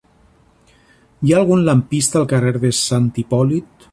Hi ha algun lampista al carrer de Sant Hipòlit?